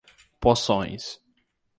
Poções